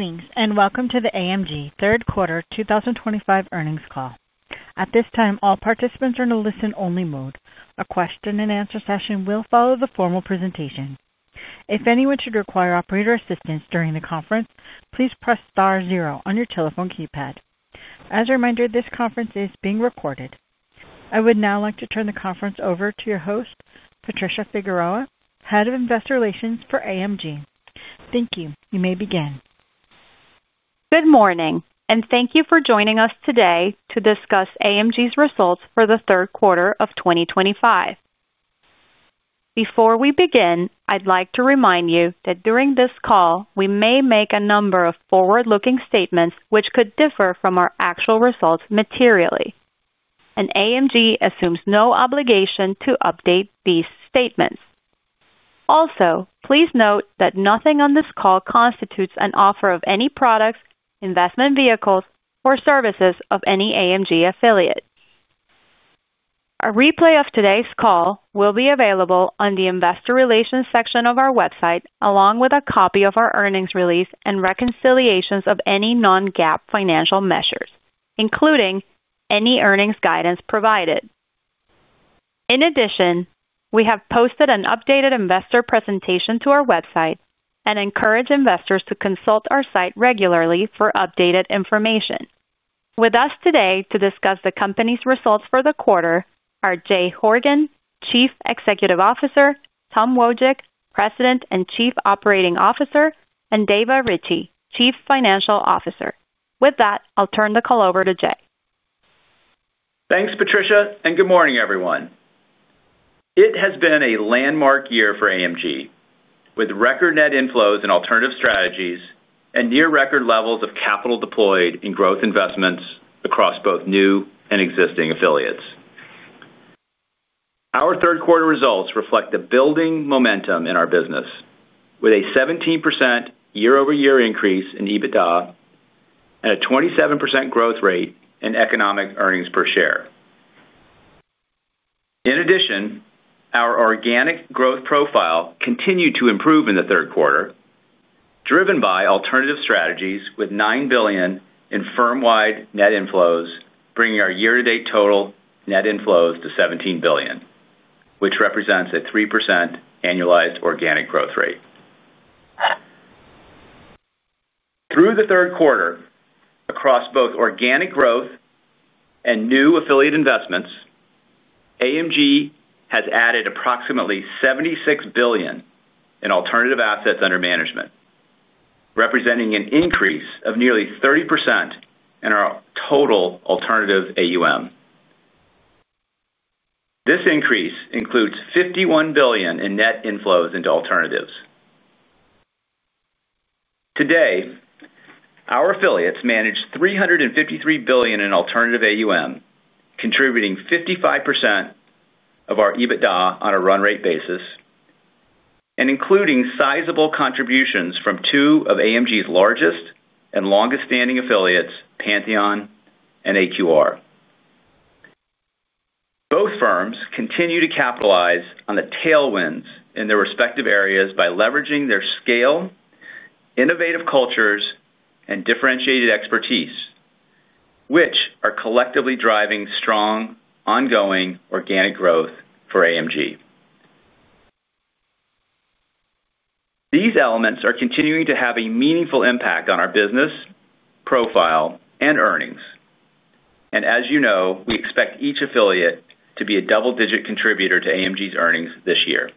Good evening and welcome to the AMG Third Quarter 2025 Earnings Call. At this time, all participants are in a listen-only mode. A question-and-answer session will follow the formal presentation. If anyone should require operator assistance during the conference, please press star zero on your telephone keypad. As a reminder, this conference is being recorded. I would now like to turn the conference over to your host, Patricia Figueroa, Head of Investor Relations for AMG. Thank you. You may begin. Good morning, and thank you for joining us today to discuss AMG's results for the third quarter of 2025. Before we begin, I'd like to remind you that during this call, we may make a number of forward-looking statements which could differ from our actual results materially. AMG assumes no obligation to update these statements. Also, please note that nothing on this call constitutes an offer of any products, investment vehicles, or services of any AMG affiliate. A replay of today's call will be available on the Investor Relations section of our website, along with a copy of our earnings release and reconciliations of any non-GAAP financial measures, including any earnings guidance provided. In addition, we have posted an updated investor presentation to our website and encourage investors to consult our site regularly for updated information. With us today to discuss the company's results for the quarter are Jay Horgen, Chief Executive Officer; Tom Wojcik, President and Chief Operating Officer; and Dava Ritchea, Chief Financial Officer. With that, I'll turn the call over to Jay. Thanks, Patricia, and good morning, everyone. It has been a landmark year for AMG, with record net inflows in alternative strategies and near-record levels of capital deployed in growth investments across both new and existing affiliates. Our third-quarter results reflect a building momentum in our business, with a 17% year-over-year increase in EBITDA and a 27% growth rate in economic earnings per share. In addition, our organic growth profile continued to improve in the third quarter, driven by alternative strategies with $9 billion in firm-wide net inflows, bringing our year-to-date total net inflows to $17 billion, which represents a 3% annualized organic growth rate. Through the third quarter, across both organic growth and new affiliate investments, AMG has added approximately $76 billion in alternative assets under management, representing an increase of nearly 30% in our total alternative AUM. This increase includes $51 billion in net inflows into alternatives. Today, our affiliates manage $353 billion in alternative AUM, contributing 55% of our EBITDA on a run-rate basis, and including sizable contributions from two of AMG's largest and longest-standing affiliates, Pantheon and AQR. Both firms continue to capitalize on the tailwinds in their respective areas by leveraging their scale, innovative cultures, and differentiated expertise, which are collectively driving strong, ongoing organic growth for AMG. These elements are continuing to have a meaningful impact on our business profile and earnings. As you know, we expect each affiliate to be a double-digit contributor to AMG's earnings this year.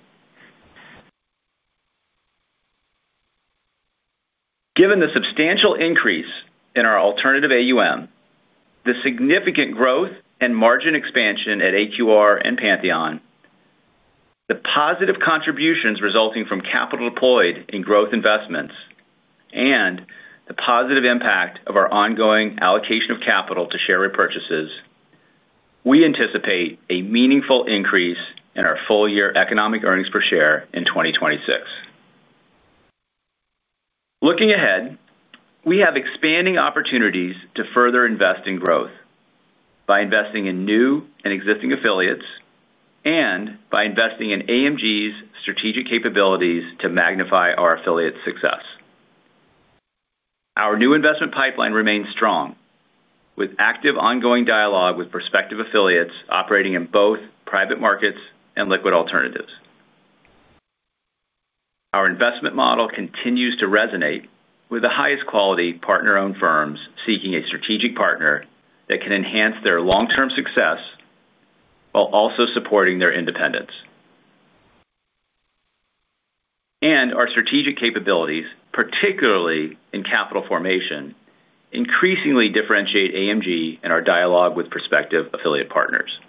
Given the substantial increase in our alternative AUM, the significant growth and margin expansion at AQR and Pantheon, the positive contributions resulting from capital deployed in growth investments, and the positive impact of our ongoing allocation of capital to share repurchases, we anticipate a meaningful increase in our full-year economic earnings per share in 2026. Looking ahead, we have expanding opportunities to further invest in growth by investing in new and existing affiliates, and by investing in AMG's strategic capabilities to magnify our affiliate success. Our new investment pipeline remains strong, with active ongoing dialogue with prospective affiliates operating in both private markets and liquid alternatives. Our investment model continues to resonate with the highest quality partner-owned firms seeking a strategic partner that can enhance their long-term success while also supporting their independence. Our strategic capabilities, particularly in capital formation, increasingly differentiate AMG in our dialogue with prospective affiliate partners.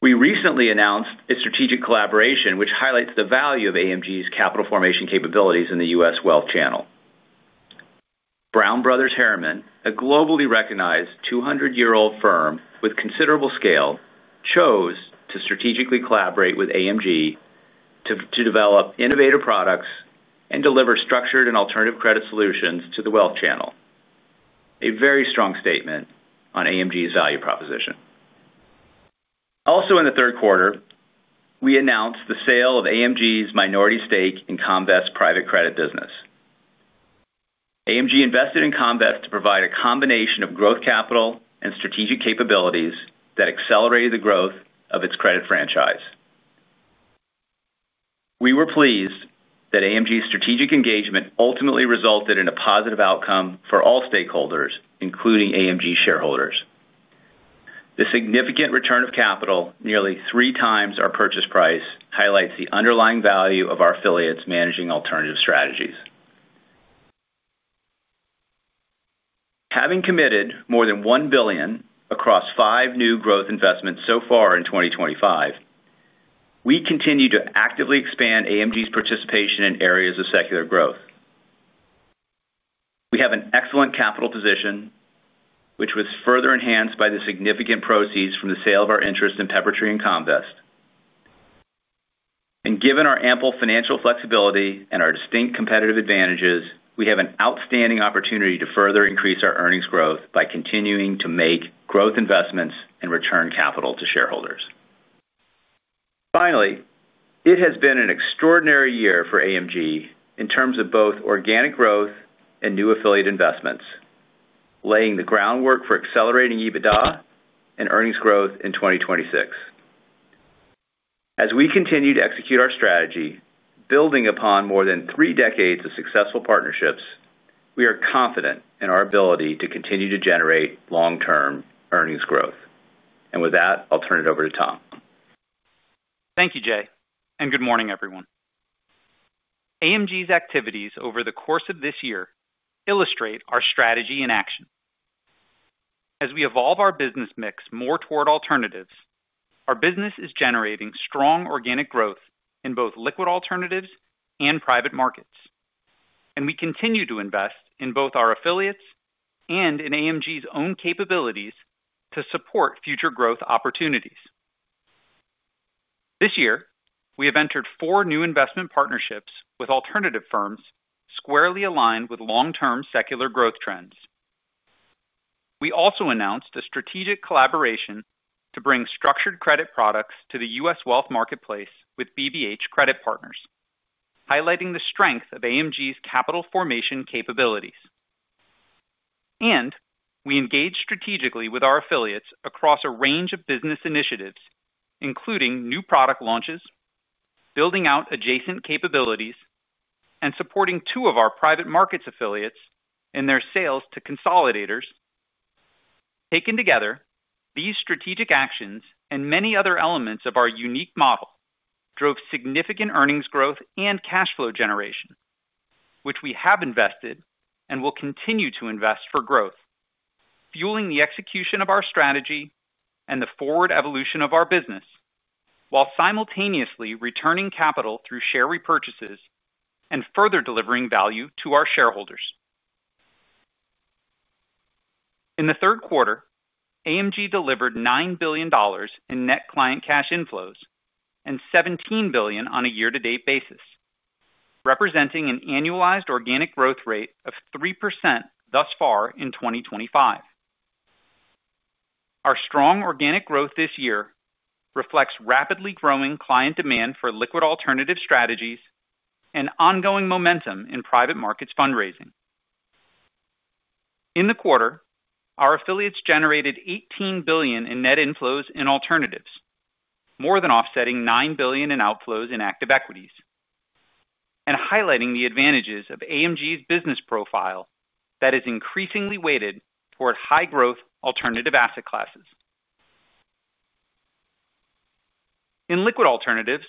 We recently announced a strategic collaboration which highlights the value of AMG's capital formation capabilities in the U.S. wealth channel. Brown Brothers Harriman, a globally recognized 200-year-old firm with considerable scale, chose to strategically collaborate with AMG to develop innovative products and deliver structured and alternative credit solutions to the wealth channel, a very strong statement on AMG's value proposition. Also, in the third quarter, we announced the sale of AMG's minority stake in Comvest's private credit business. AMG invested in Comvest to provide a combination of growth capital and strategic capabilities that accelerated the growth of its credit franchise. We were pleased that AMG's strategic engagement ultimately resulted in a positive outcome for all stakeholders, including AMG shareholders. The significant return of capital, nearly 3x our purchase price, highlights the underlying value of our affiliates managing alternative strategies. Having committed more than $1 billion across five new growth investments so far in 2025, we continue to actively expand AMG's participation in areas of secular growth. We have an excellent capital position, which was further enhanced by the significant proceeds from the sale of our interest in Peppertree and Comvest. Given our ample financial flexibility and our distinct competitive advantages, we have an outstanding opportunity to further increase our earnings growth by continuing to make growth investments and return capital to shareholders. Finally, it has been an extraordinary year for AMG in terms of both organic growth and new affiliate investments, laying the groundwork for accelerating EBITDA and earnings growth in 2026. As we continue to execute our strategy, building upon more than three decades of successful partnerships, we are confident in our ability to continue to generate long-term earnings growth. With that, I'll turn it over to Tom. Thank you, Jay. And good morning, everyone. AMG's activities over the course of this year illustrate our strategy in action. As we evolve our business mix more toward alternatives, our business is generating strong organic growth in both liquid alternatives and private markets. We continue to invest in both our affiliates and in AMG's own capabilities to support future growth opportunities. This year, we have entered four new investment partnerships with alternative firms squarely aligned with long-term secular growth trends. We also announced a strategic collaboration to bring structured credit products to the U.S. wealth marketplace with BBH Credit Partners, highlighting the strength of AMG's capital formation capabilities. And we engage strategically with our affiliates across a range of business initiatives, including new product launches, building out adjacent capabilities, and supporting two of our private markets affiliates in their sales to consolidators. Taken together, these strategic actions and many other elements of our unique model drove significant earnings growth and cash flow generation, which we have invested and will continue to invest for growth, fueling the execution of our strategy and the forward evolution of our business, while simultaneously returning capital through share repurchases and further delivering value to our shareholders. In the third quarter, AMG delivered $9 billion in net client cash inflows and $17 billion on a year-to-date basis, representing an annualized organic growth rate of 3% thus far in 2025. Our strong organic growth this year reflects rapidly growing client demand for liquid alternative strategies and ongoing momentum in private markets fundraising. In the quarter, our affiliates generated $18 billion in net inflows in alternatives, more than offsetting $9 billion in outflows in active equities and highlighting the advantages of AMG's business profile that is increasingly weighted toward high-growth alternative asset classes. In liquid alternatives,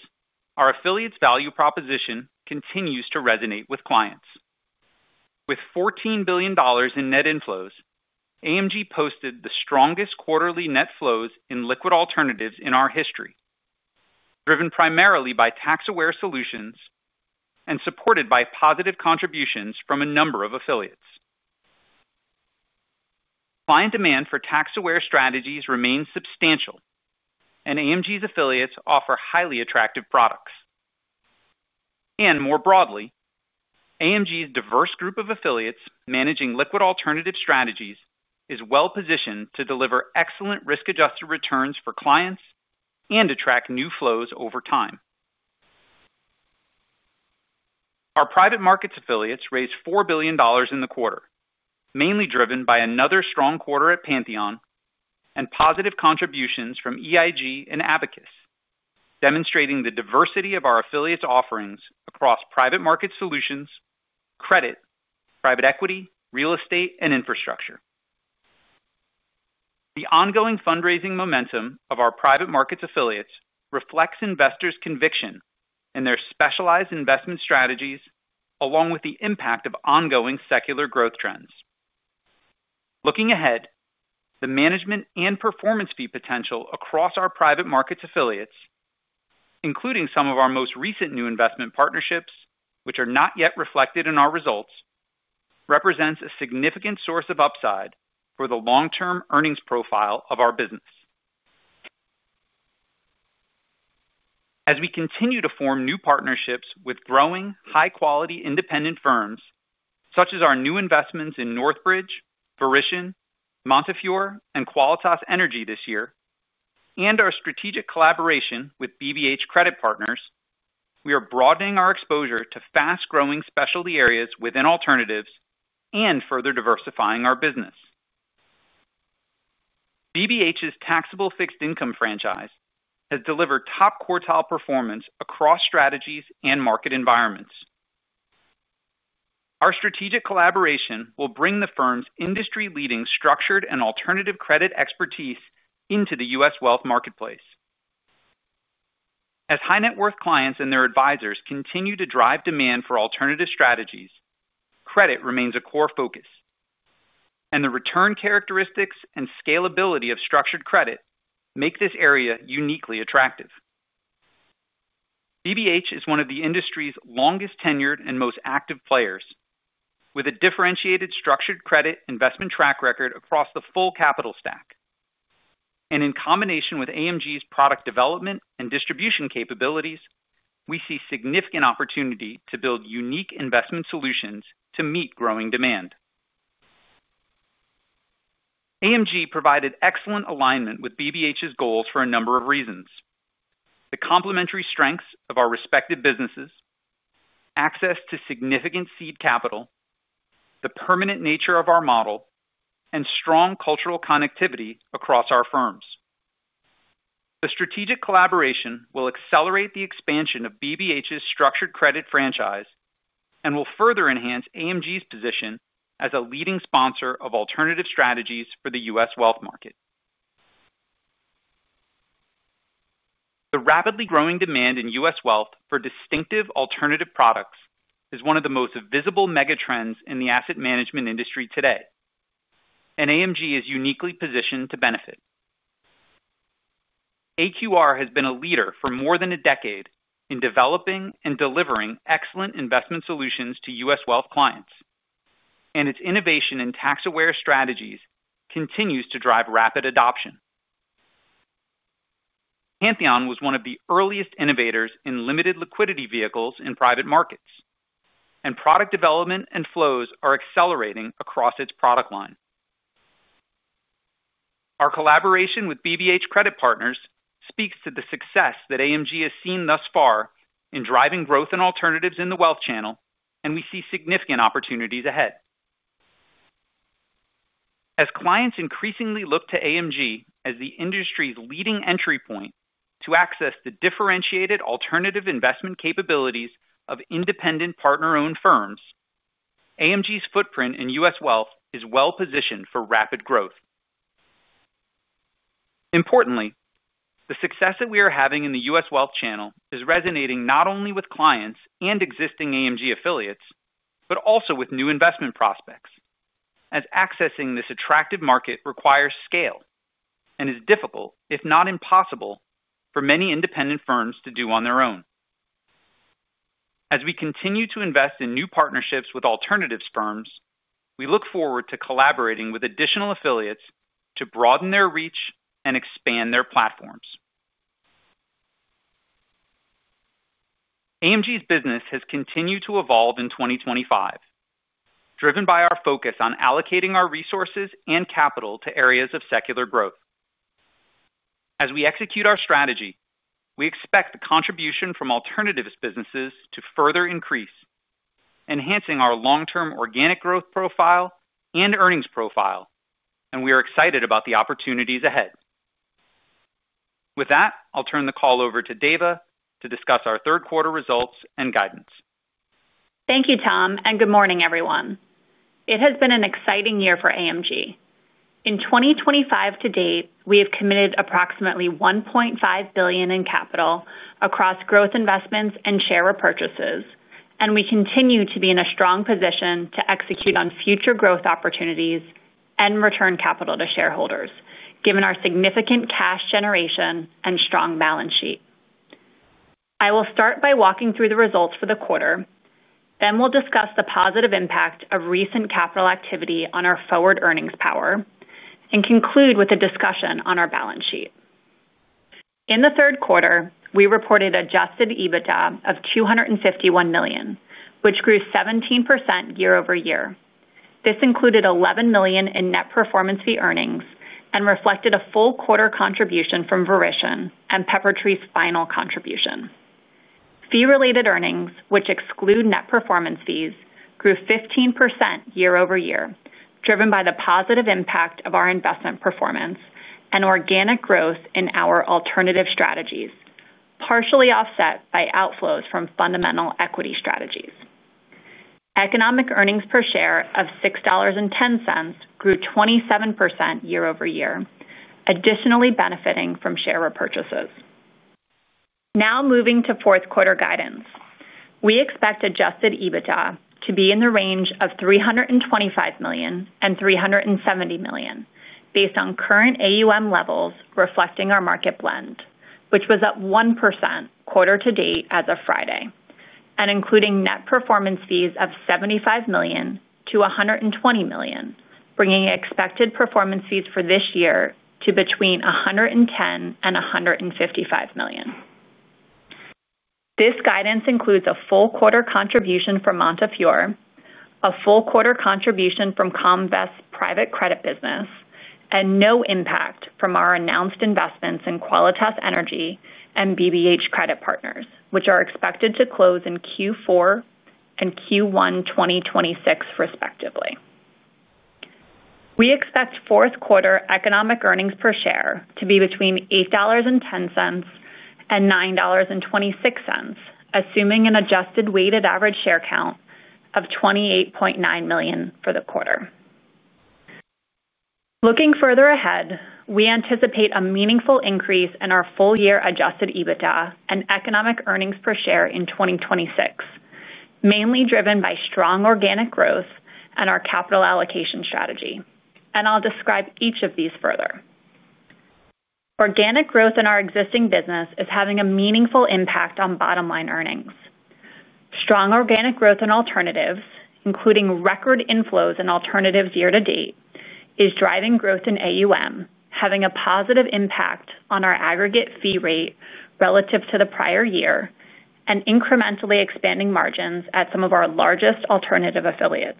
our affiliates' value proposition continues to resonate with clients. With $14 billion in net inflows, AMG posted the strongest quarterly net flows in liquid alternatives in our history, driven primarily by tax-aware solutions and supported by positive contributions from a number of affiliates. Client demand for tax-aware strategies remains substantial, and AMG's affiliates offer highly attractive products. More broadly, AMG's diverse group of affiliates managing liquid alternative strategies is well-positioned to deliver excellent risk-adjusted returns for clients and attract new flows over time. Our private markets affiliates raised $4 billion in the quarter, mainly driven by another strong quarter at Pantheon and positive contributions from EIG and Abacus, demonstrating the diversity of our affiliates' offerings across private market solutions, credit, private equity, real estate, and infrastructure. The ongoing fundraising momentum of our private markets affiliates reflects investors' conviction in their specialized investment strategies, along with the impact of ongoing secular growth trends. Looking ahead, the management and performance fee potential across our private markets affiliates, including some of our most recent new investment partnerships, which are not yet reflected in our results, represents a significant source of upside for the long-term earnings profile of our business. As we continue to form new partnerships with growing high-quality independent firms, such as our new investments in NorthBridge, Verition, Montefiore, and Qualitas Energy this year, and our strategic collaboration with BBH Credit Partners, we are broadening our exposure to fast-growing specialty areas within alternatives and further diversifying our business. BBH's taxable fixed income franchise has delivered top quartile performance across strategies and market environments. Our strategic collaboration will bring the firm's industry-leading structured and alternative credit expertise into the U.S. wealth marketplace. As high-net-worth clients and their advisors continue to drive demand for alternative strategies, credit remains a core focus. The return characteristics and scalability of structured credit make this area uniquely attractive. BBH is one of the industry's longest-tenured and most active players, with a differentiated structured credit investment track record across the full capital stack. In combination with AMG's product development and distribution capabilities, we see significant opportunity to build unique investment solutions to meet growing demand. AMG provided excellent alignment with BBH's goals for a number of reasons: the complementary strengths of our respective businesses, access to significant seed capital, the permanent nature of our model, and strong cultural connectivity across our firms. The strategic collaboration will accelerate the expansion of BBH's structured credit franchise and will further enhance AMG's position as a leading sponsor of alternative strategies for the U.S. wealth market. The rapidly growing demand in U.S. wealth for distinctive alternative products is one of the most visible mega trends in the asset management industry today. AMG is uniquely positioned to benefit. AQR has been a leader for more than a decade in developing and delivering excellent investment solutions to U.S. wealth clients, and its innovation in tax-aware strategies continues to drive rapid adoption. Pantheon was one of the earliest innovators in limited liquidity vehicles in private markets, and product development and flows are accelerating across its product line. Our collaboration with BBH Credit Partners speaks to the success that AMG has seen thus far in driving growth and alternatives in the wealth channel, and we see significant opportunities ahead. As clients increasingly look to AMG as the industry's leading entry point to access the differentiated alternative investment capabilities of independent partner-owned firms, AMG's footprint in U.S. wealth is well-positioned for rapid growth. Importantly, the success that we are having in the U.S. wealth channel is resonating not only with clients and existing AMG affiliates, but also with new investment prospects, as accessing this attractive market requires scale and is difficult, if not impossible, for many independent firms to do on their own. As we continue to invest in new partnerships with alternative firms, we look forward to collaborating with additional affiliates to broaden their reach and expand their platforms. AMG's business has continued to evolve in 2025, driven by our focus on allocating our resources and capital to areas of secular growth. As we execute our strategy, we expect the contribution from alternative businesses to further increase, enhancing our long-term organic growth profile and earnings profile, and we are excited about the opportunities ahead. With that, I'll turn the call over to Dava to discuss our third-quarter results and guidance. Thank you, Tom, and good morning, everyone. It has been an exciting year for AMG. In 2025 to date, we have committed approximately $1.5 billion in capital across growth investments and share repurchases, and we continue to be in a strong position to execute on future growth opportunities and return capital to shareholders, given our significant cash generation and strong balance sheet. I will start by walking through the results for the quarter, then we'll discuss the positive impact of recent capital activity on our forward earnings power, and conclude with a discussion on our balance sheet. In the third quarter, we reported adjusted EBITDA of $251 million, which grew 17% year-over-year. This included $11 million in net performance fee earnings and reflected a full quarter contribution from Verition and Peppertree's final contribution. Fee-related earnings, which exclude net performance fees, grew 15% year-over-year, driven by the positive impact of our investment performance and organic growth in our alternative strategies, partially offset by outflows from fundamental equity strategies. Economic earnings per share of $6.10 grew 27% year-over-year, additionally benefiting from share repurchases. Now moving to fourth-quarter guidance, we expect adjusted EBITDA to be in the range of $325 million-$370 million, based on current AUM levels reflecting our market blend, which was up 1% quarter-to-date as of Friday, and including net performance fees of $75 million-$120 million, bringing expected performance fees for this year to between $110 million and $155 million. This guidance includes a full quarter contribution from Montefiore, a full quarter contribution from Comvest's private credit business, and no impact from our announced investments in Qualitas Energy and BBH Credit Partners, which are expected to close in Q4 and Q1 2026, respectively. We expect fourth-quarter economic earnings per share to be between $8.10 and $9.26, assuming an adjusted weighted average share count of 28.9 million for the quarter. Looking further ahead, we anticipate a meaningful increase in our full-year adjusted EBITDA and economic earnings per share in 2026, mainly driven by strong organic growth and our capital allocation strategy. I'll describe each of these further. Organic growth in our existing business is having a meaningful impact on bottom-line earnings. Strong organic growth in alternatives, including record inflows in alternatives year-to-date, is driving growth in AUM, having a positive impact on our aggregate fee rate relative to the prior year and incrementally expanding margins at some of our largest alternative affiliates.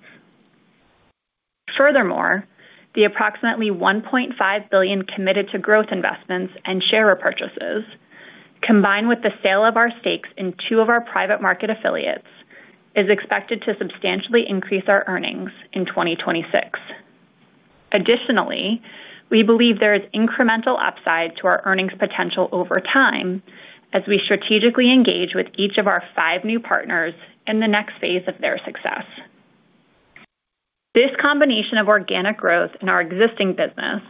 Furthermore, the approximately $1.5 billion committed to growth investments and share repurchases, combined with the sale of our stakes in two of our private market affiliates, is expected to substantially increase our earnings in 2026. Additionally, we believe there is incremental upside to our earnings potential over time as we strategically engage with each of our five new partners in the next phase of their success. This combination of organic growth in our existing business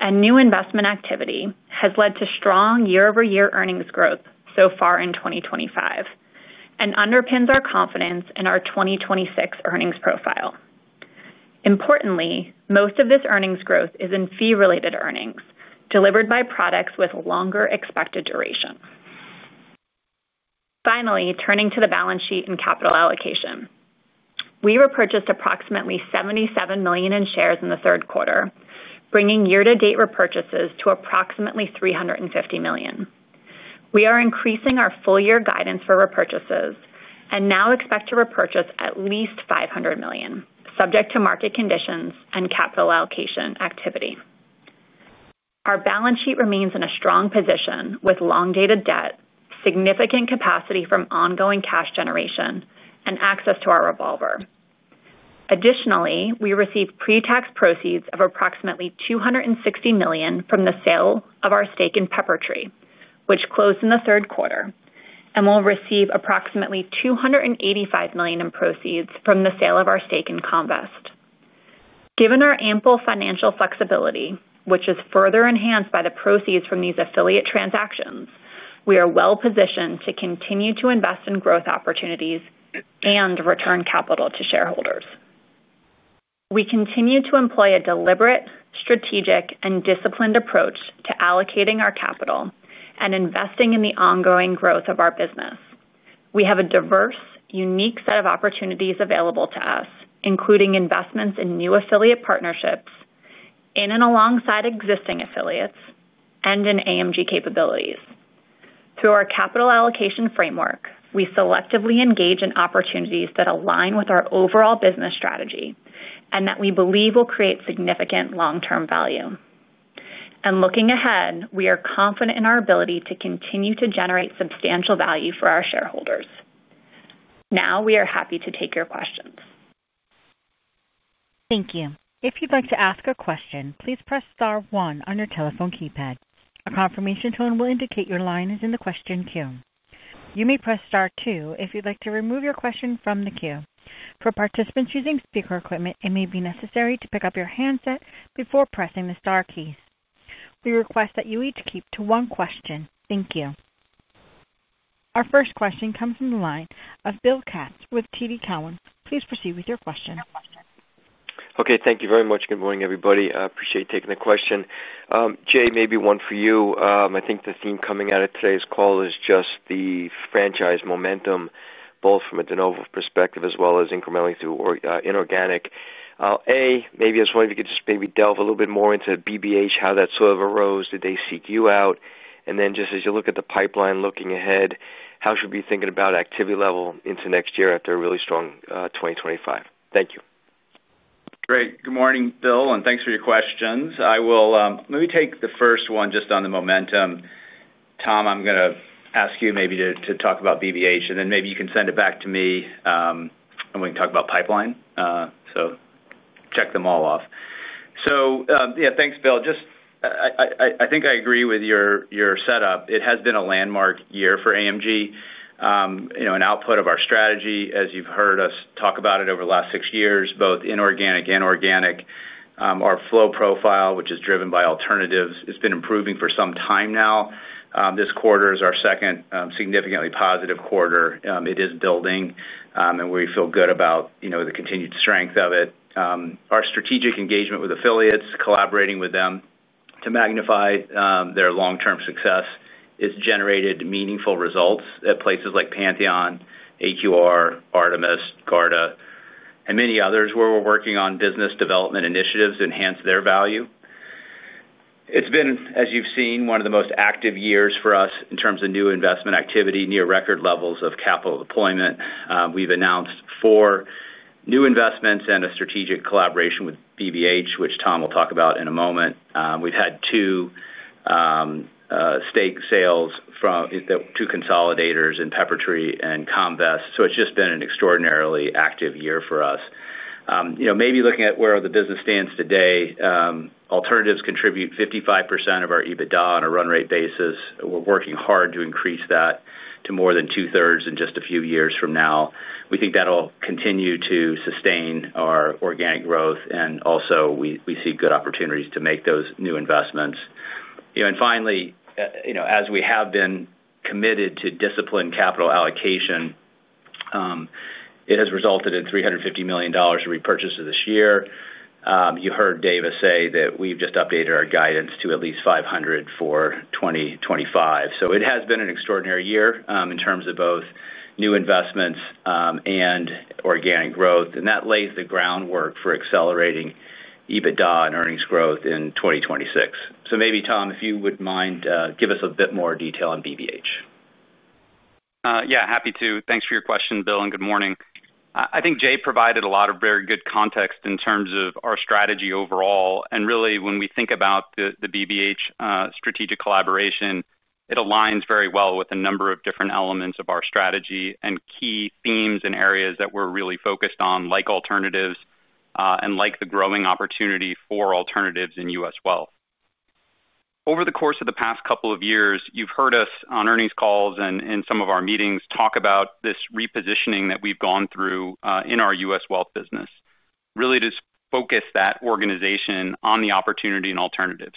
and new investment activity has led to strong year-over-year earnings growth so far in 2025. It underpins our confidence in our 2026 earnings profile. Importantly, most of this earnings growth is in fee-related earnings delivered by products with longer expected duration. Finally, turning to the balance sheet and capital allocation, we repurchased approximately $77 million in shares in the third quarter, bringing year-to-date repurchases to approximately $350 million. We are increasing our full-year guidance for repurchases and now expect to repurchase at least $500 million, subject to market conditions and capital allocation activity. Our balance sheet remains in a strong position with long-dated debt, significant capacity from ongoing cash generation, and access to our revolver. Additionally, we received pre-tax proceeds of approximately $260 million from the sale of our stake in Peppertree, which closed in the third quarter, and will receive approximately $285 million in proceeds from the sale of our stake in Comvest. Given our ample financial flexibility, which is further enhanced by the proceeds from these affiliate transactions, we are well-positioned to continue to invest in growth opportunities and return capital to shareholders. We continue to employ a deliberate, strategic, and disciplined approach to allocating our capital and investing in the ongoing growth of our business. We have a diverse, unique set of opportunities available to us, including investments in new affiliate partnerships in and alongside existing affiliates and in AMG capabilities. Through our capital allocation framework, we selectively engage in opportunities that align with our overall business strategy and that we believe will create significant long-term value. Looking ahead, we are confident in our ability to continue to generate substantial value for our shareholders. Now we are happy to take your questions. Thank you. If you'd like to ask a question, please press star one on your telephone keypad. A confirmation tone will indicate your line is in the question queue. You may press star two if you'd like to remove your question from the queue. For participants using speaker equipment, it may be necessary to pick up your handset before pressing the star keys. We request that you each keep to one question. Thank you. Our first question comes from the line of Bill Katz with TD Cowen. Please proceed with your question. Okay. Thank you very much. Good morning, everybody. I appreciate taking the question. Jay, maybe one for you. I think the theme coming out of today's call is just the franchise momentum, both from a de novo perspective as well as incrementally through inorganic. A, maybe I just wanted to get just maybe delve a little bit more into BBH, how that sort of arose, did they seek you out? And then just as you look at the pipeline looking ahead, how should we be thinking about activity level into next year after a really strong 2025? Thank you. Great. Good morning, Bill, and thanks for your questions. I will maybe take the first one just on the momentum. Tom, I'm going to ask you maybe to talk about BBH, and then maybe you can send it back to me. And we can talk about pipeline. So check them all off. Yeah, thanks, Bill. I think I agree with your setup. It has been a landmark year for AMG. An output of our strategy, as you've heard us talk about it over the last six years, both inorganic and organic, our flow profile, which is driven by alternatives, it's been improving for some time now. This quarter is our second significantly positive quarter. It is building, and we feel good about the continued strength of it. Our strategic engagement with affiliates, collaborating with them to magnify their long-term success, it's generated meaningful results at places like Pantheon, AQR, Artemis, Garda, and many others where we're working on business development initiatives to enhance their value. It's been, as you've seen, one of the most active years for us in terms of new investment activity, near record levels of capital deployment. We've announced four new investments and a strategic collaboration with BBH, which Tom will talk about in a moment. We've had two stake sales from two consolidators in Peppertree and Comvest. It's just been an extraordinarily active year for us. Maybe looking at where the business stands today. Alternatives contribute 55% of our EBITDA on a run-rate basis. We're working hard to increase that to more than two-thirds in just a few years from now. We think that'll continue to sustain our organic growth, and also we see good opportunities to make those new investments. Finally, as we have been committed to discipline capital allocation. It has resulted in $350 million in repurchases this year. You heard Dava say that we've just updated our guidance to at least $500 million for 2025. It has been an extraordinary year in terms of both new investments and organic growth. That lays the groundwork for accelerating EBITDA and earnings growth in 2026. Maybe, Tom, if you wouldn't mind, give us a bit more detail on BBH. Yeah, happy to. Thanks for your question, Bill, and good morning. I think Jay provided a lot of very good context in terms of our strategy overall. Really, when we think about the BBH strategic collaboration, it aligns very well with a number of different elements of our strategy and key themes and areas that we're really focused on, like alternatives and like the growing opportunity for alternatives in U.S. wealth. Over the course of the past couple of years, you've heard us on earnings calls and in some of our meetings talk about this repositioning that we've gone through in our U.S. wealth business, really to focus that organization on the opportunity and alternatives.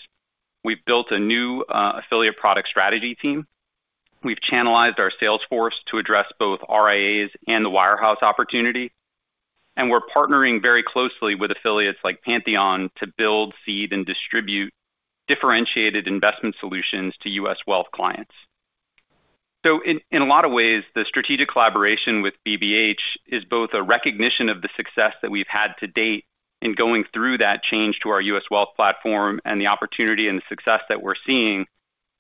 We've built a new affiliate product strategy team. We've channelized our sales force to address both RIAs and the Wirehouse opportunity. We're partnering very closely with affiliates like Pantheon to build, seed, and distribute differentiated investment solutions to U.S. wealth clients. In a lot of ways, the strategic collaboration with BBH is both a recognition of the success that we've had to date in going through that change to our U.S. wealth platform and the opportunity and the success that we're seeing.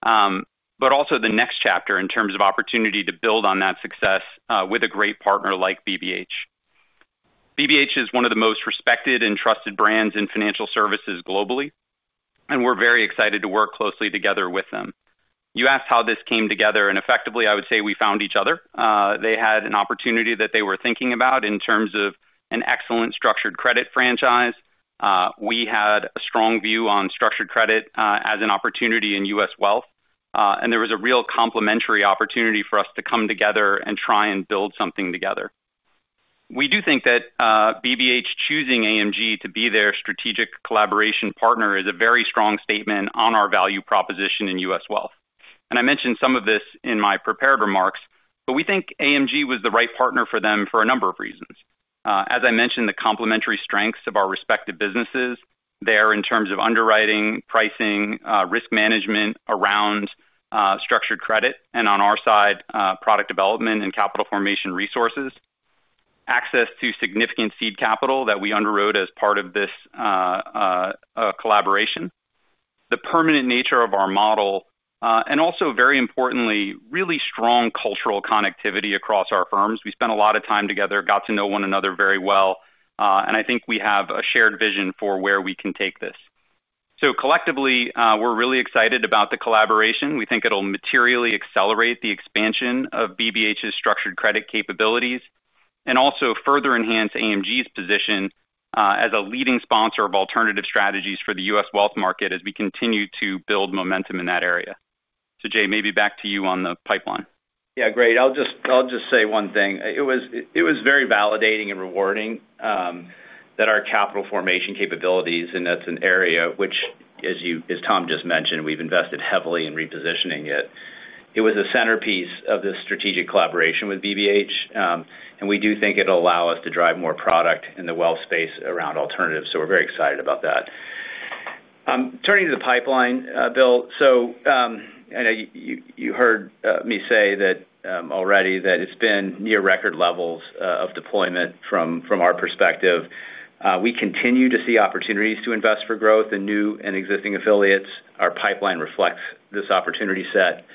It is also the next chapter in terms of opportunity to build on that success with a great partner like BBH. BBH is one of the most respected and trusted brands in financial services globally, and we're very excited to work closely together with them. You asked how this came together, and effectively, I would say we found each other. They had an opportunity that they were thinking about in terms of an excellent structured credit franchise. We had a strong view on structured credit as an opportunity in U.S. wealth, and there was a real complementary opportunity for us to come together and try and build something together. We do think that BBH choosing AMG to be their strategic collaboration partner is a very strong statement on our value proposition in U.S. wealth. I mentioned some of this in my prepared remarks, but we think AMG was the right partner for them for a number of reasons. As I mentioned, the complementary strengths of our respective businesses there in terms of underwriting, pricing, risk management around structured credit, and on our side, product development and capital formation resources, access to significant seed capital that we underwrote as part of this collaboration, the permanent nature of our model, and also, very importantly, really strong cultural connectivity across our firms. We spent a lot of time together, got to know one another very well, and I think we have a shared vision for where we can take this. Collectively, we're really excited about the collaboration. We think it'll materially accelerate the expansion of BBH's structured credit capabilities and also further enhance AMG's position as a leading sponsor of alternative strategies for the U.S. wealth market as we continue to build momentum in that area. Jay, maybe back to you on the pipeline. Yeah, great. I'll just say one thing. It was very validating and rewarding that our capital formation capabilities, and that's an area which, as Tom just mentioned, we've invested heavily in repositioning it. It was a centerpiece of this strategic collaboration with BBH, and we do think it'll allow us to drive more product in the wealth space around alternatives. We're very excited about that. Turning to the pipeline, Bill, I know you heard me say that already, that it's been near record levels of deployment from our perspective. We continue to see opportunities to invest for growth in new and existing affiliates. Our pipeline reflects this opportunity set.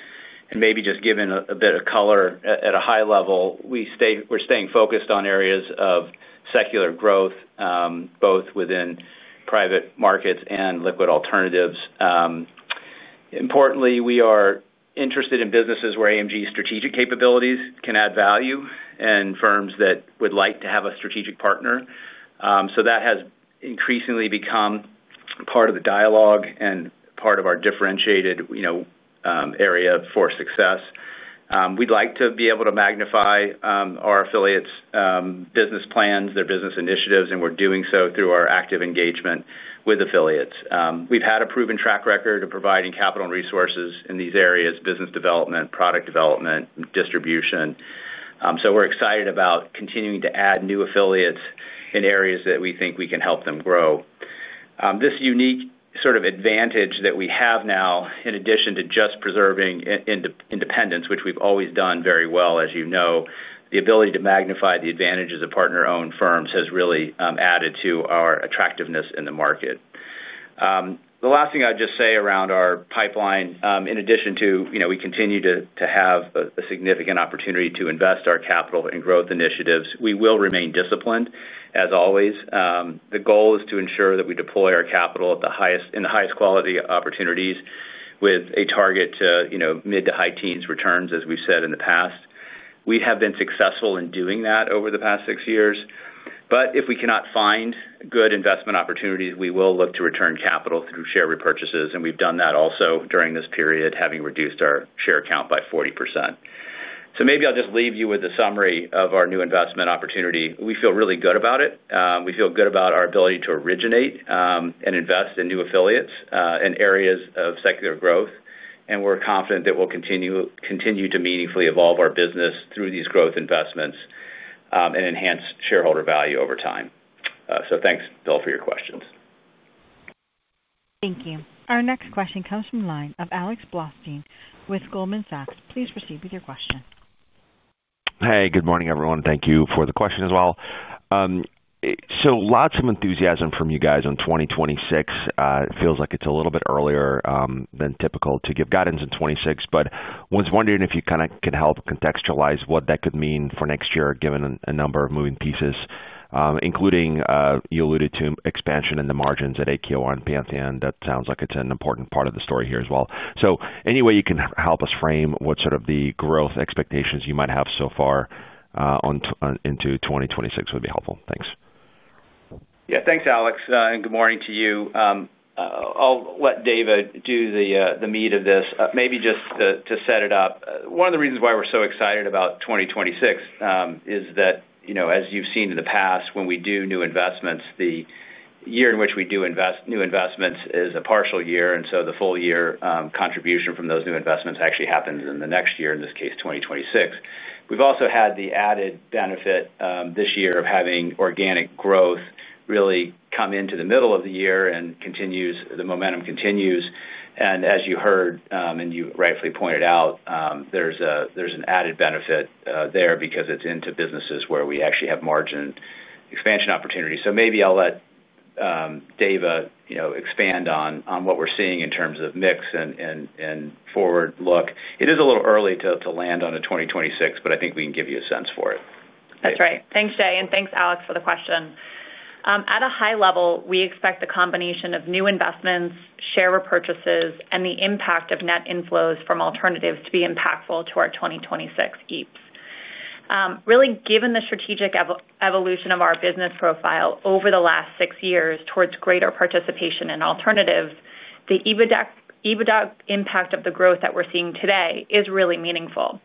Maybe just giving a bit of color at a high level, we're staying focused on areas of secular growth, both within private markets and liquid alternatives. Importantly, we are interested in businesses where AMG's strategic capabilities can add value and firms that would like to have a strategic partner. That has increasingly become part of the dialogue and part of our differentiated area for success. We'd like to be able to magnify our affiliates' business plans, their business initiatives, and we're doing so through our active engagement with affiliates. We've had a proven track record of providing capital and resources in these areas: business development, product development, distribution. We're excited about continuing to add new affiliates in areas that we think we can help them grow. This unique sort of advantage that we have now, in addition to just preserving independence, which we've always done very well, as you know, the ability to magnify the advantages of partner-owned firms has really added to our attractiveness in the market. The last thing I'd just say around our pipeline, in addition to we continue to have a significant opportunity to invest our capital in growth initiatives, we will remain disciplined, as always. The goal is to ensure that we deploy our capital in the highest quality opportunities with a target to mid to high teens returns, as we've said in the past. We have been successful in doing that over the past six years. If we cannot find good investment opportunities, we will look to return capital through share repurchases. We've done that also during this period, having reduced our share count by 40%. Maybe I'll just leave you with a summary of our new investment opportunity. We feel really good about it. We feel good about our ability to originate and invest in new affiliates and areas of secular growth. We're confident that we'll continue to meaningfully evolve our business through these growth investments and enhance shareholder value over time. Thanks, Bill, for your questions. Thank you. Our next question comes from the line of Alex Blostein with Goldman Sachs. Please proceed with your question. Hey, good morning, everyone. Thank you for the question as well. Lots of enthusiasm from you guys in 2026. It feels like it's a little bit earlier than typical to give guidance in 2026, but I was wondering if you kind of could help contextualize what that could mean for next year, given a number of moving pieces, including you alluded to expansion in the margins at AQR and Pantheon. That sounds like it's an important part of the story here as well. Any way you can help us frame what sort of the growth expectations you might have so far into 2026 would be helpful. Thanks. Yeah, thanks, Alex. Good morning to you. I'll let Dava do the need of this. Maybe just to set it up, one of the reasons why we're so excited about 2026 is that, as you've seen in the past, when we do new investments, the year in which we do new investments is a partial year. The full-year contribution from those new investments actually happens in the next year, in this case, 2026. We've also had the added benefit this year of having organic growth really come into the middle of the year and the momentum continues. As you heard and you rightfully pointed out, there's an added benefit there because it's into businesses where we actually have margin expansion opportunities. Maybe I'll let Dava expand on what we're seeing in terms of mix and forward look. It is a little early to land on a 2026, but I think we can give you a sense for it. That's right. Thanks, Jay, and thanks, Alex, for the question. At a high level, we expect the combination of new investments, share repurchases, and the impact of net inflows from alternatives to be impactful to our 2026 EPS. Really, given the strategic evolution of our business profile over the last six years towards greater participation in alternatives, the EBITDA impact of the growth that we're seeing today is really meaningful.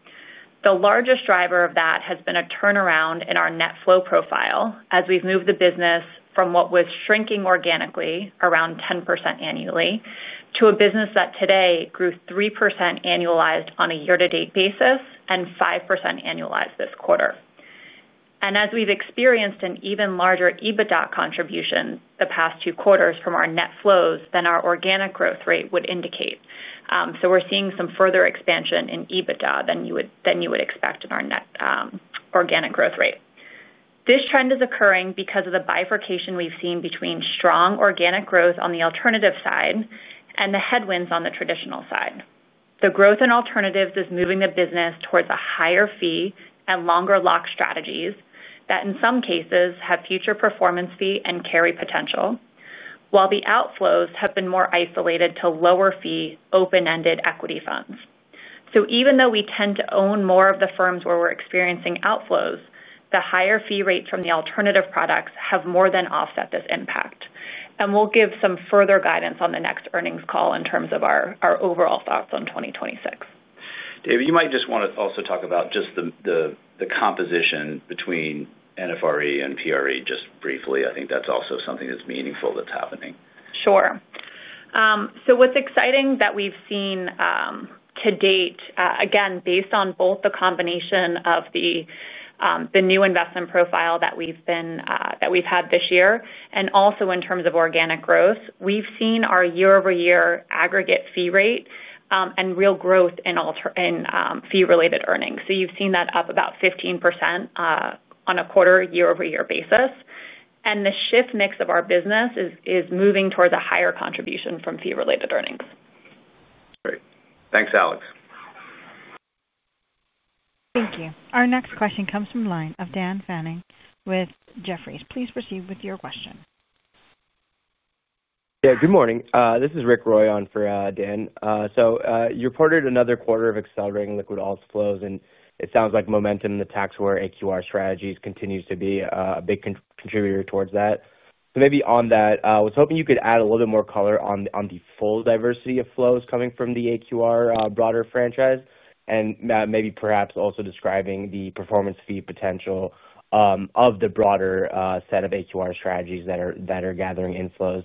The largest driver of that has been a turnaround in our net flow profile as we've moved the business from what was shrinking organically around 10% annually to a business that today grew 3% annualized on a year-to-date basis and 5% annualized this quarter. As we've experienced an even larger EBITDA contribution the past two quarters from our net flows than our organic growth rate would indicate. We are seeing some further expansion in EBITDA than you would expect in our net organic growth rate. This trend is occurring because of the bifurcation we've seen between strong organic growth on the alternative side and the headwinds on the traditional side. The growth in alternatives is moving the business towards a higher fee and longer lock strategies that, in some cases, have future performance fee and carry potential, while the outflows have been more isolated to lower fee open-ended equity funds. So even though we tend to own more of the firms where we're experiencing outflows, the higher fee rates from the alternative products have more than offset this impact. We will give some further guidance on the next earnings call in terms of our overall thoughts on 2026. Dava, you might just want to also talk about just the composition between NFRE and PRE just briefly. I think that's also something that's meaningful that's happening. Sure. So what's exciting that we've seen. To date, again, based on both the combination of the new investment profile that we've had this year and also in terms of organic growth, we've seen our year-over-year aggregate fee rate and real growth in fee-related earnings. So you've seen that up about 15% on a quarter-year-over-year basis. And the shift mix of our business is moving towards a higher contribution from fee-related earnings. Great. Thanks, Alex. Thank you. Our next question comes from the line of Dan Fannon with Jefferies. Please proceed with your question. Yeah, good morning. This is Rick Roy on for Dan. So you reported another quarter of accelerating liquid alts flows, and it sounds like momentum in the tax-aware AQR strategies continues to be a big contributor towards that. Maybe on that, I was hoping you could add a little bit more color on the full diversity of flows coming from the AQR broader franchise and maybe perhaps also describing the performance fee potential of the broader set of AQR strategies that are gathering inflows.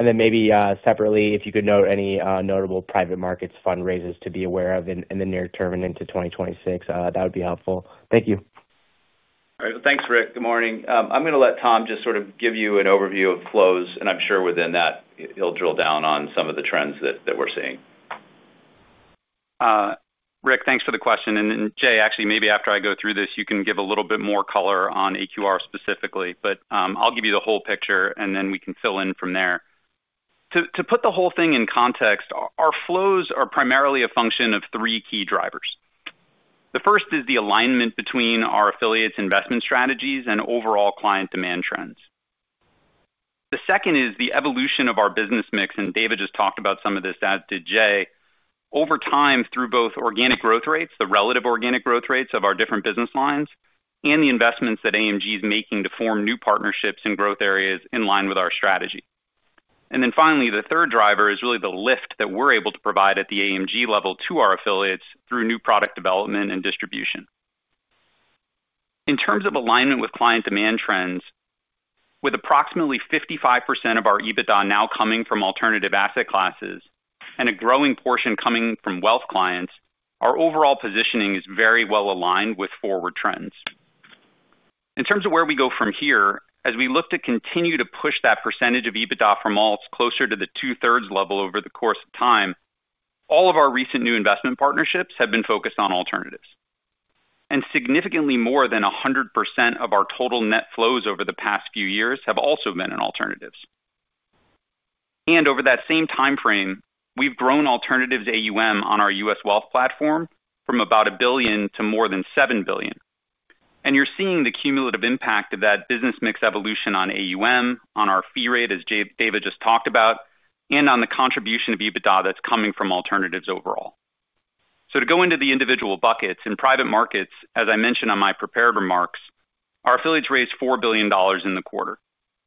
Maybe separately, if you could note any notable private markets fundraisers to be aware of in the near term and into 2026, that would be helpful. Thank you. All right. Thanks, Rick. Good morning. I'm going to let Tom just sort of give you an overview of flows, and I'm sure within that, he'll drill down on some of the trends that we're seeing. Rick, thanks for the question. And Jay, actually, maybe after I go through this, you can give a little bit more color on AQR specifically, but I'll give you the whole picture, and then we can fill in from there. To put the whole thing in context, our flows are primarily a function of three key drivers. The first is the alignment between our affiliates' investment strategies and overall client demand trends. The second is the evolution of our business mix, and Dava just talked about some of this as did Jay, over time through both organic growth rates, the relative organic growth rates of our different business lines, and the investments that AMG is making to form new partnerships and growth areas in line with our strategy. Then finally, the third driver is really the lift that we're able to provide at the AMG level to our affiliates through new product development and distribution. In terms of alignment with client demand trends, with approximately 55% of our EBITDA now coming from alternative asset classes and a growing portion coming from wealth clients, our overall positioning is very well aligned with forward trends. In terms of where we go from here, as we look to continue to push that percentage of EBITDA from alts closer to the two-thirds level over the course of time, all of our recent new investment partnerships have been focused on alternatives. And significantly more than 100% of our total net flows over the past few years have also been in alternatives. And over that same time frame, we've grown alternatives AUM on our U.S. wealth platform from about $1 billion to more than $7 billion. You're seeing the cumulative impact of that business mix evolution on AUM, on our fee rate, as Dava just talked about, and on the contribution of EBITDA that's coming from alternatives overall. To go into the individual buckets, in private markets, as I mentioned on my prepared remarks, our affiliates raised $4 billion in the quarter.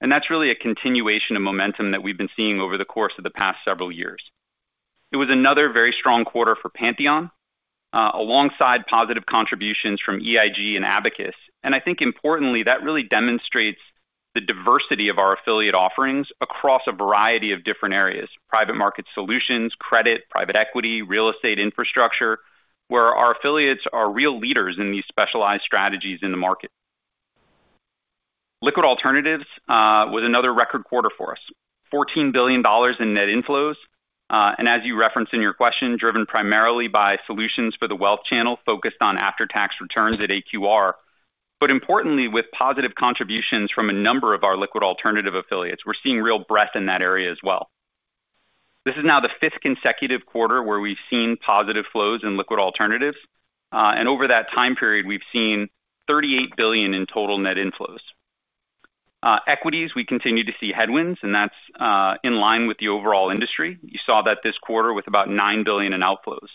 That's really a continuation of momentum that we've been seeing over the course of the past several years. It was another very strong quarter for Pantheon, alongside positive contributions from EIG and Abacus. I think, importantly, that really demonstrates the diversity of our affiliate offerings across a variety of different areas: private market solutions, credit, private equity, real estate infrastructure, where our affiliates are real leaders in these specialized strategies in the market. Liquid alternatives was another record quarter for us: $14 billion in net inflows. As you referenced in your question, driven primarily by solutions for the wealth channel focused on after-tax returns at AQR. Importantly, with positive contributions from a number of our liquid alternative affiliates, we're seeing real breadth in that area as well. This is now the fifth consecutive quarter where we've seen positive flows in liquid alternatives. Over that time period, we've seen $38 billion in total net inflows. Equities, we continue to see headwinds, and that's in line with the overall industry. You saw that this quarter with about $9 billion in outflows.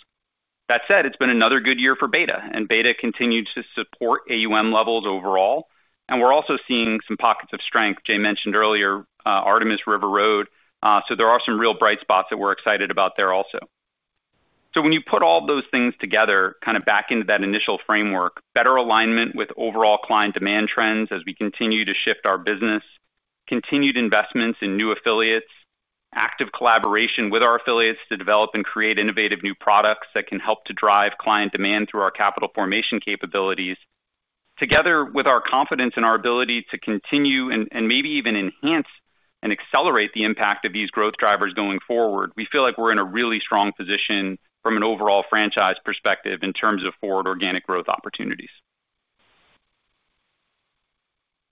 That said, it's been another good year for Beta. Beta continues to support AUM levels overall. We're also seeing some pockets of strength. Jay mentioned earlier, Artemis River Road. There are some real bright spots that we're excited about there also. When you put all those things together, kind of back into that initial framework, better alignment with overall client demand trends as we continue to shift our business. Continued investments in new affiliates, active collaboration with our affiliates to develop and create innovative new products that can help to drive client demand through our capital formation capabilities. Together with our confidence in our ability to continue and maybe even enhance and accelerate the impact of these growth drivers going forward, we feel like we're in a really strong position from an overall franchise perspective in terms of forward organic growth opportunities.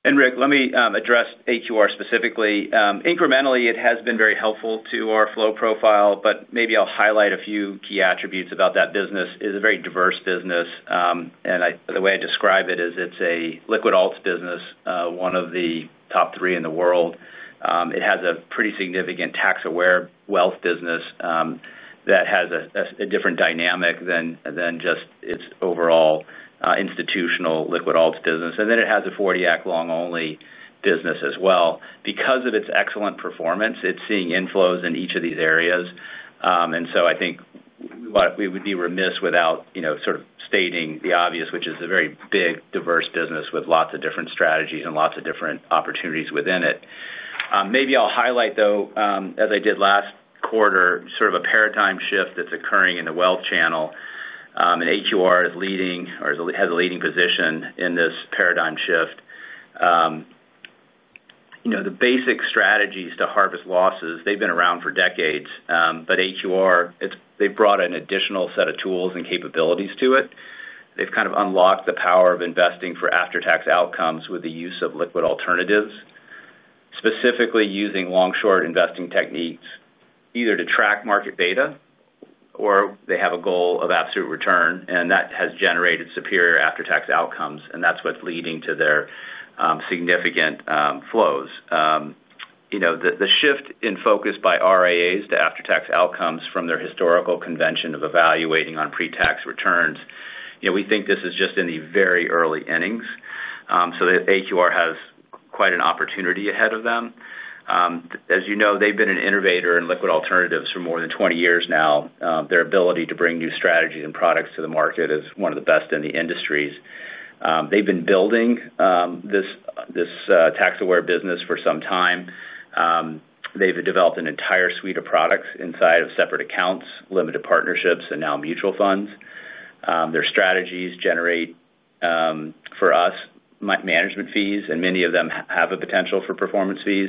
Rick, let me address AQR specifically. Incrementally, it has been very helpful to our flow profile, but maybe I'll highlight a few key attributes about that business. It's a very diverse business. The way I describe it is it's a liquid alts business, one of the top three in the world. It has a pretty significant tax-aware wealth business. That has a different dynamic than just its overall institutional liquid alts business. It has a 40-Act long-only business as well. Because of its excellent performance, it's seeing inflows in each of these areas. So I think we would be remiss without sort of stating the obvious, which is a very big, diverse business with lots of different strategies and lots of different opportunities within it. Maybe I'll highlight, as I did last quarter, sort of a paradigm shift that's occurring in the wealth channel. AQR is leading or has a leading position in this paradigm shift. The basic strategies to harvest losses, they've been around for decades, but AQR, they've brought an additional set of tools and capabilities to it. They've kind of unlocked the power of investing for after-tax outcomes with the use of liquid alternatives. Specifically using long-short investing techniques, either to track market beta or they have a goal of absolute return, and that has generated superior after-tax outcomes, and that's what's leading to their significant flows. The shift in focus by RIAs to after-tax outcomes from their historical convention of evaluating on pre-tax returns, we think this is just in the very early innings. AQR has quite an opportunity ahead of them. As you know, they've been an innovator in liquid alternatives for more than 20 years now. Their ability to bring new strategies and products to the market is one of the best in the industry. They've been building this tax-aware business for some time. They've developed an entire suite of products inside of separate accounts, limited partnerships, and now mutual funds. Their strategies generate for us management fees, and many of them have a potential for performance fees.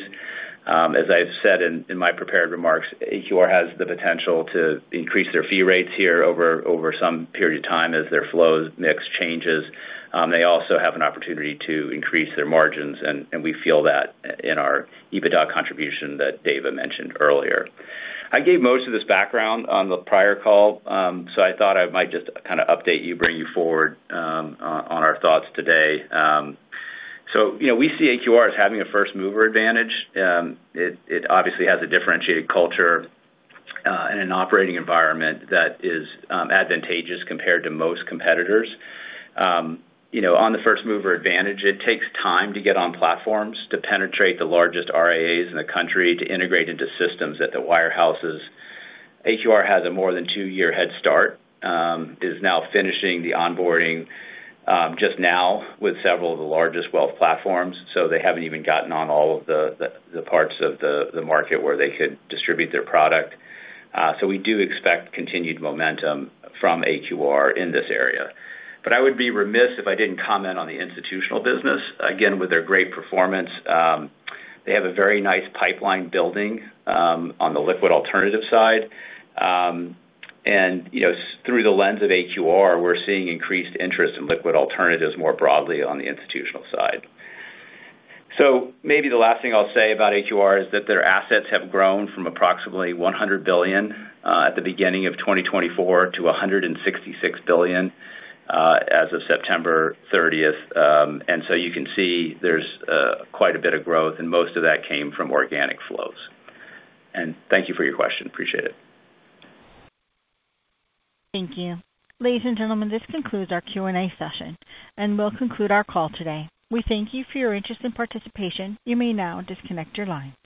As I've said in my prepared remarks, AQR has the potential to increase their fee rates here over some period of time as their flow mix changes. They also have an opportunity to increase their margins, and we feel that in our EBITDA contribution that Dava mentioned earlier. I gave most of this background on the prior call, so I thought I might just kind of update you, bring you forward on our thoughts today. We see AQR as having a first-mover advantage. It obviously has a differentiated culture and an operating environment that is advantageous compared to most competitors. On the first-mover advantage, it takes time to get on platforms, to penetrate the largest RIAs in the country, to integrate into systems that the wirehouses use. AQR has a more than two-year head start and is now finishing the onboarding just now with several of the largest wealth platforms. They haven't even gotten on all of the parts of the market where they could distribute their product. We do expect continued momentum from AQR in this area. I would be remiss if I didn't comment on the institutional business. Again, with their great performance, they have a very nice pipeline building on the liquid alternative side. Through the lens of AQR, we're seeing increased interest in liquid alternatives more broadly on the institutional side. Maybe the last thing I'll say about AQR is that their assets have grown from approximately $100 billion at the beginning of 2024 to $166 billion as of September 30th. You can see there's quite a bit of growth, and most of that came from organic flows. Thank you for your question. Appreciate it. Thank you. Ladies and gentlemen, this concludes our Q&A session, and we'll conclude our call today. We thank you for your interest and participation. You may now disconnect your line.